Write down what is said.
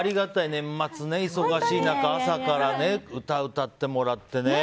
年末で忙しい中朝から歌を歌ってもらってね。